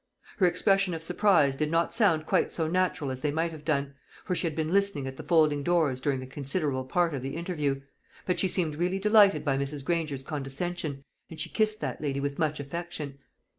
Her expressions of surprise did not sound quite so natural as they might have done for she had been listening at the folding doors during a considerable part of the interview; but she seemed really delighted by Mrs. Granger's condescension, and she kissed that lady with much affection.